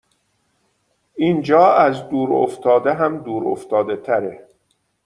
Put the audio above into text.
اینجااز دور افتاده هم دور افتاده تره